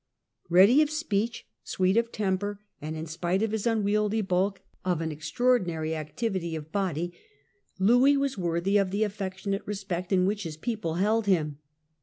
Eeady of speech, sweet of temper, and, in spite of his unwieldy bulk, of an extraordinary activity of body, Louis was worthy of the affectionate respect in which his people held him.